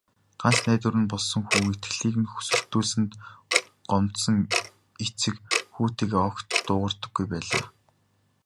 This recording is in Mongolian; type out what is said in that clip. Ганц найдвар болсон хүү итгэлийг нь хөсөрдүүлсэнд гомдсон эцэг хүүтэйгээ огт дуугардаггүй байлаа.